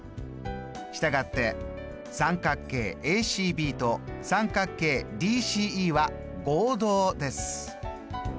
したがって三角形ＡＣＢと三角形ＤＣＥは合同です。